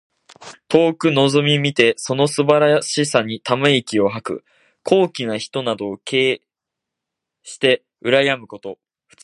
遠くのぞみ見てその素晴らしさにため息を吐く。高貴の人などを敬慕してうらやむこと。